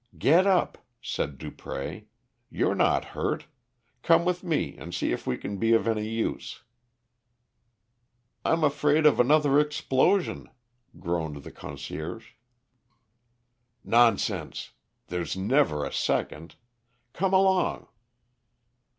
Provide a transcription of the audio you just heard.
"Get up," said Dupré, "you're not hurt; come with me and see if we can be of any use." "I'm afraid of another explosion," groaned the concierge. "Nonsense! There's never a second. Come along."